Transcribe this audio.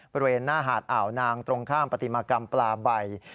บริเวณหน้าหาดอ่าวนางตรงข้ามปฏิมากรรมปลาใบ